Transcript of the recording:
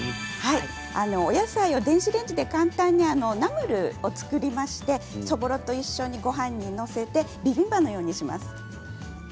野菜を電子レンジで簡単にナムルを作りましてそぼろと一緒にごはんに載せてビビンバのようにします。